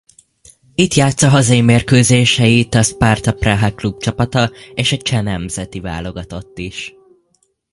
Itt játssza hazai mérkőzéseit a Sparta Praha klubcsapata és a cseh nemzeti válogatott is.